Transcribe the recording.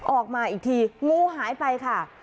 ออกมาอีกทีงูหายไปค่ะ